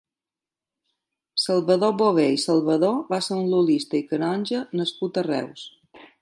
Salvador Bové i Salvador va ser un lul·lista i canonge nascut a Reus.